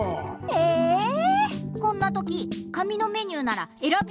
ええ⁉こんなとき紙のメニューならえらび